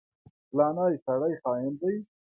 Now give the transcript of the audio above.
فلانی سړی خاين دی.